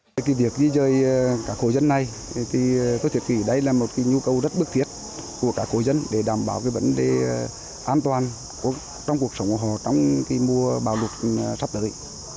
cái việc di dời cả khổ dân này thì có thể kỷ đây là một nhu cầu rất bức thiết của cả khổ dân để đảm bảo vấn đề an toàn trong cuộc sống của họ trong mùa bào lụt sắp tới